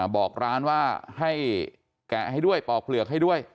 บอกร้านว่าให้แกะให้ด้วยปอกเปลือกให้ด้วย